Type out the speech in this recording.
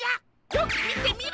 よくみてみろ！